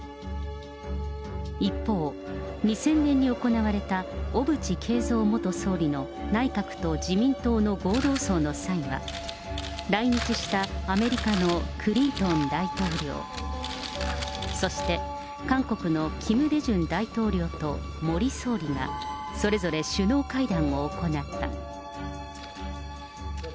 一方、２０００年に行われた小渕恵三元総理の内閣と自民党の合同葬の際は、来日したアメリカのクリントン大統領、そして韓国のキム・デジュン大統領と森総理が、それぞれ首脳会談を行った。